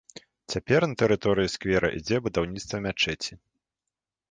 Цяпер на тэрыторыі сквера ідзе будаўніцтва мячэці.